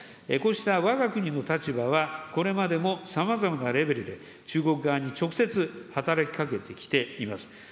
こうしたわが国の立場は、これまでもさまざまなレベルで、中国側に直接、働きかけてきています。